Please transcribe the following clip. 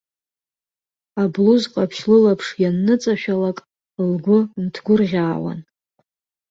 Аблуз ҟаԥшь лылаԥш ианныҵашәалак, лгәы нҭгәырӷьаауан.